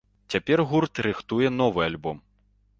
Цяпер гурт рыхтуе новы альбом.